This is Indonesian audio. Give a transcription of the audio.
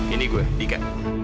ini gue dika